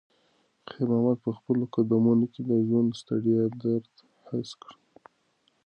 خیر محمد په خپلو قدمونو کې د ژوند د ستړیا درد حس کړ.